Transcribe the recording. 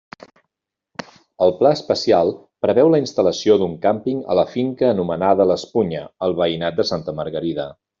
El Pla especial preveu la instal·lació d'un càmping a la finca anomenada l'Espunya, al veïnat de Santa Margarida.